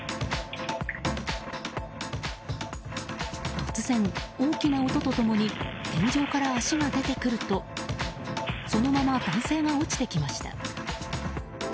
突然、大きな音と共に天井から足が出てくるとそのまま男性が落ちてきました。